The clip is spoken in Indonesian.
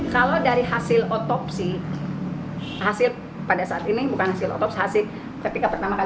kalau dari hasil otopsi hasil pada saat ini bukan hasil otopsi